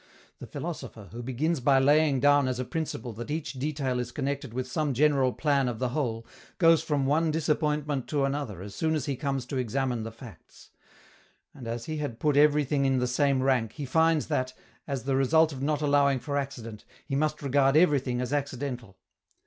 The philosopher, who begins by laying down as a principle that each detail is connected with some general plan of the whole, goes from one disappointment to another as soon as he comes to examine the facts; and, as he had put everything in the same rank, he finds that, as the result of not allowing for accident, he must regard everything as accidental.